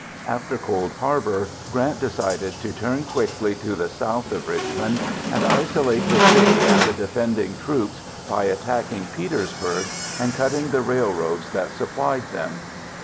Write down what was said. After Cold Harbor, Grant decided to turn quickly to the south of Richmond and isolate the city and the defending troops by attacking Petersburg and cutting the railroads that supplied them.